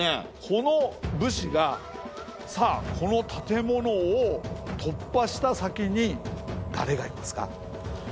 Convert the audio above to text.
この武士がさあこの建物を突破した先に誰がいますか？